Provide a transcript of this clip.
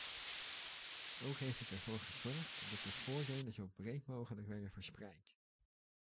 Ook heeft het ervoor gezorgd dat de voordelen zo breed mogelijk werden verspreid.